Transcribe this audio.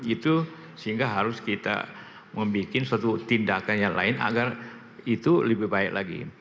itu sehingga harus kita membuat suatu tindakan yang lain agar itu lebih baik lagi